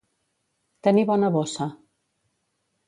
Tenir bona bossa.